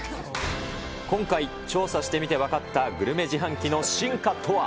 今回、調査してみて分かったグルメ自販機の進化とは。